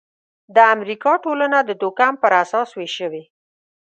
د امریکا ټولنه د توکم پر اساس وېش شوې.